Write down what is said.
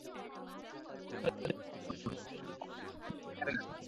প্রথম দিকে ওদের কাজ ছিল ভারত থেকে আসা বক্সগুলো খুলে হ্যাংগারে রাখা।